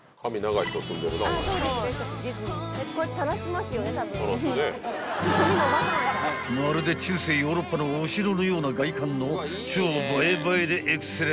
［まるで中世ヨーロッパのお城のような外観の］